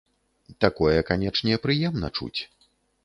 Такое, канечне, прыемна чуць.